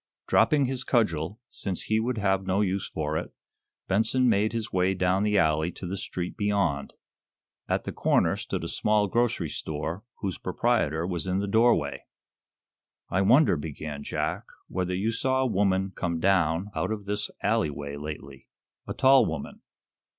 Dropping his cudgel, since he would have no use for it, Benson made his way down the alley to the street beyond. At the corner stood a small grocery store, whose proprietor was in the doorway. "I wonder," began Jack, "whether you saw a woman came down out of this alley way lately? A tall woman?"